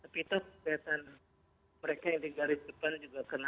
tapi itu kelihatan mereka yang di garis depan juga kena